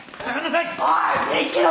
おい！